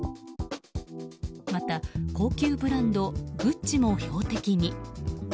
また高級ブランドグッチも標的に。